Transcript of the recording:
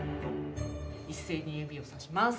一斉に指をさします。